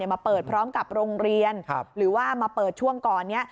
มาเปิดพร้อมกับโรงเรียนหรือว่ามาเปิดช่วงก่อนนี้